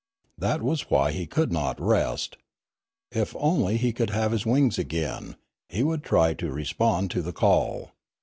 That was why he could not rest. If only he could have his wings again, he would try to respond to the call.